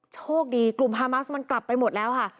โชคดีกลุ่มฮามัสมันกลับไปหมดแล้วค่ะ